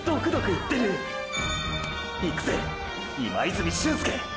いくぜ今泉俊輔！！